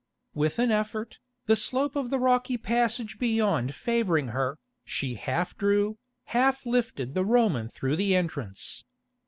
With an effort, the slope of the rocky passage beyond favouring her, she half drew, half lifted the Roman through the entrance.